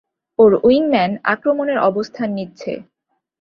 ওর উইংম্যান আক্রমণের অবস্থান নিচ্ছে।